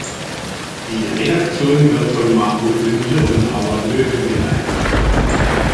Die Redaktion wird von Marco Bünte und Howard Loewen geleitet.